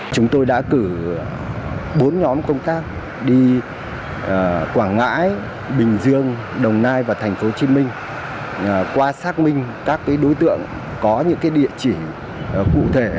chúng tôi đã cử bốn nhóm công tác đi quảng ngãi bình dương đồng nai và tp hcm qua xác minh các đối tượng có những địa chỉ cụ thể